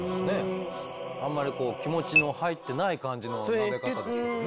あんまり気持ちの入ってない感じのなで方ですけどね。